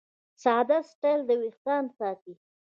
ساده سټایل وېښتيان ساتي.